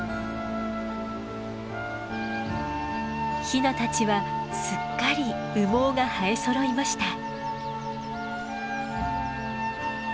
ヒナたちはすっかり羽毛が生えそろいました。